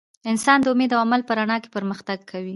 انسان د امید او عمل په رڼا کې پرمختګ کوي.